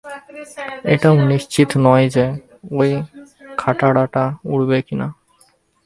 এটাও নিশ্চিত নই যে, ঐ খাটাড়াটা উড়বে কিনা।